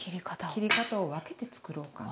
切り方を分けて作ろうかなと。